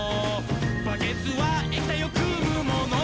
「バケツは液体をくむもの」